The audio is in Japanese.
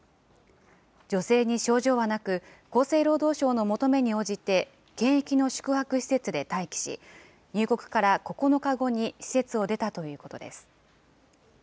女性に症状はなく、厚生労働省の求めに応じて、検疫の宿泊施設で待機し、入国から９日後に施設を出たということです。